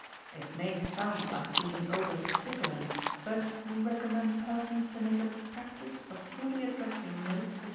It may sound like being over particular, but we recommend persons to make a practice of fully addressing notes, &c.